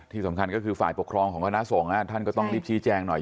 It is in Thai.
ที่สำคัญก็คือฝ่ายปกครองของคณะสงฆ์ท่านก็ต้องรีบชี้แจงหน่อย